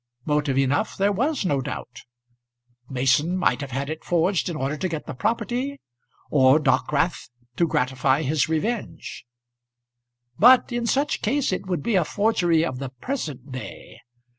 Motive enough there was, no doubt. Mason might have had it forged in order to get the property, or Dockwrath to gratify his revenge. But in such case it would be a forgery of the present day.